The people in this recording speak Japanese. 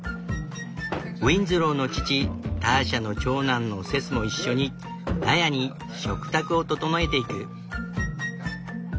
ウィンズローの父ターシャの長男のセスも一緒に納屋に食卓を整えていく。